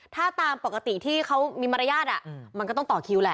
ถ้าตามปกติที่เขามีมารยาทมันก็ต้องต่อคิวแหละ